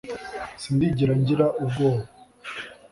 Sindigera ngira ubwoba,